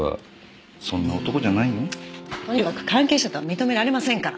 とにかく関係者とは認められませんから。